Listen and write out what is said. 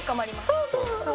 そうそうそう。